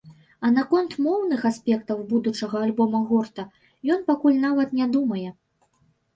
А наконт моўных аспектаў будучага альбома гурта ён пакуль нават не думае.